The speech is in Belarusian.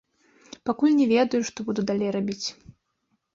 Пакуль не ведаю, што буду далей рабіць.